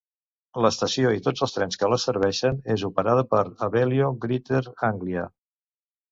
L'estació, i tots els trens que la serveixen, és operada per Abellio Greater Anglia.